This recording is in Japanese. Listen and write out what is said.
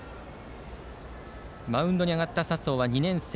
マウンドに上がった佐宗は２年生。